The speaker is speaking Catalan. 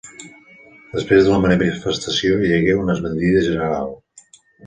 Després de la manifestació hi hagué una esbandida general.